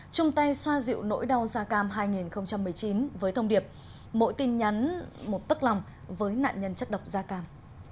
chung tay xoa dịu nỗi đau da cam hai nghìn một mươi chín với thông điệp mỗi tin nhắn một tức lòng với nạn nhân chất độc da cam